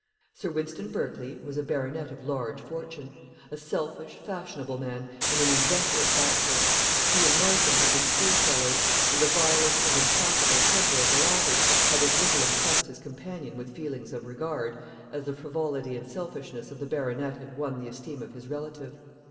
Sir Wynston Berkley was a baronet of large fortune a selfish, fashionable man, and an inveterate bachelor. He and Marston had been schoolfellows, and the violent and implacable temper of the latter had as little impressed his companion with feelings of regard, as the frivolity and selfishness of the baronet had won the esteem of his relative.